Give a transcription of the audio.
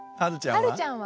はるちゃんは？